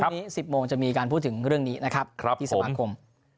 วันนี้๑๐โมงจะมีการพูดถึงเรื่องนี้นะครับที่สมาคม